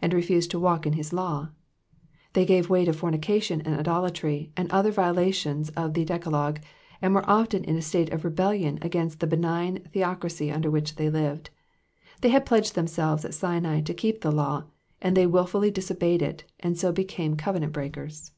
^*^And refused to walk in hit law.*'' They gave way to forni cation, and idolatry, and other violations of the decalogue, and were often in a state of rebellion against the benign theocracy under which they lived. They had pledged themselves at Sinai to keep the law, and then they wilfully dis obeyed it, and so became covenant breakers.